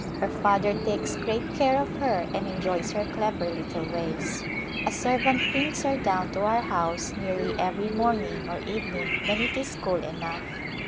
Her father takes great care of her and enjoys her clever little ways. A servant brings her down to our house nearly every morning or evening when it is cool enough.